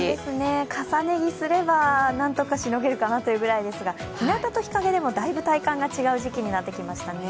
重ね着すれば何とかしのげるかなというぐらいですが、日なたと日陰でもだいぶ体感が違うようになってきましたね。